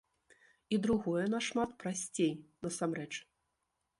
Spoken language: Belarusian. І другое нашмат прасцей насамрэч.